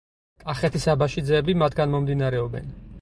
კახეთის აბაშიძეები მათგან მომდინარეობენ.